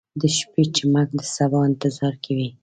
• د شپې چمک د سبا انتظار کوي.